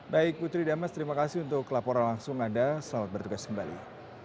baik putri damas terima kasih untuk laporan langsung anda selamat bertugas kembali